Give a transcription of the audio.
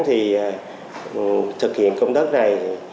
thì thực hiện công tác này